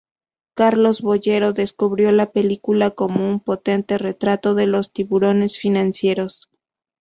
Carlos Boyero describió la película como un "potente retrato de los tiburones financieros.